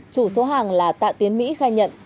chủ số hàng là tạ tiến mỹ khai nhận